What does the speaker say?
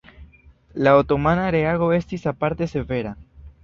La otomana reago estis aparte severa.